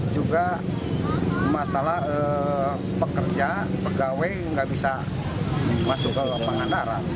juga masalah pekerja pegawai nggak bisa masuk ke pangandaran